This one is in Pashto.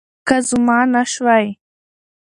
که زما نه شوی